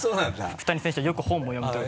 福谷選手はよく本も読むという。